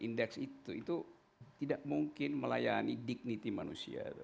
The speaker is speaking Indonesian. index itu itu tidak mungkin melakukan satu hal yang benar benar baik woe itu itu dihiasi sebagai sebuah